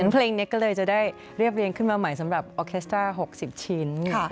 เพลงนี้ก็เลยจะได้เรียบเรียงขึ้นมาใหม่สำหรับออเคสต้า๖๐ชิ้น